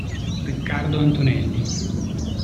Riccardo Antonelli